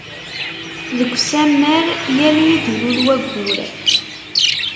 Deg Usammar, yal mi d-ilul wayyur.